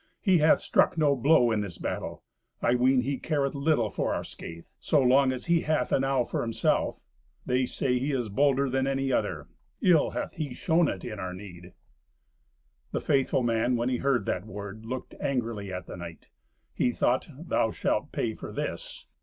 He hath struck no blow in this battle. I ween he careth little for our scathe, so long as he hath enow for himself. They say he is bolder than any other. Ill hath he shown it in our need." The faithful man, when he heard that word, looked angrily at the knight. He thought, "Thou shalt pay for this.